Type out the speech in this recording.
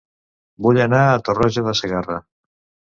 Vull anar a Tarroja de Segarra